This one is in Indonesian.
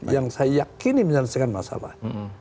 yang saya yakini menyelesaikan masalah